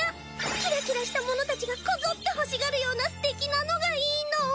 キラキラした者たちがこぞって欲しがるようなすてきなのがいいの！にゅは？